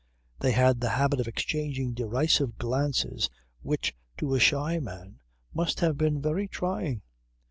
They had the habit of exchanging derisive glances which to a shy man must have been very trying.